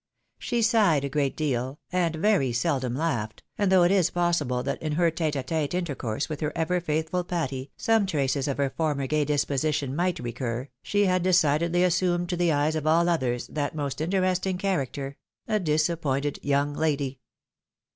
She sighed a great deal, and very seldom laughed, and though it is possible that in her tete a tete intercourse with her ever faithful Patty, some traces of her former gay disposition might recur, she had decidedly assumed to the eyes of all others that most interesting character, a disappointed young lady.